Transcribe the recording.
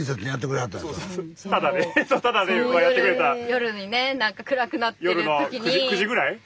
夜にねなんか暗くなってる時に。